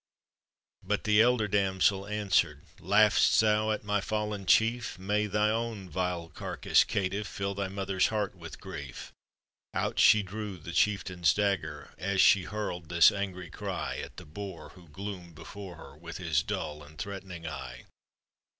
But the elder damsel answered: " Laugh'st thou at my fallen chief? May thy own vile carcass, caitiff, Fill thy mother's heart with grief!" Out she drew the chieftain's dagger, As she hurled this angry cry At the boor who gloomed before her, With his dull and threatening eye.